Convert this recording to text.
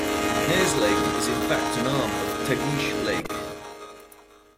Nares Lake is in fact an arm of Tagish Lake.